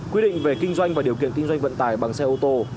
quy định về kinh doanh và điều kiện kinh doanh vận tải bằng xe ô tô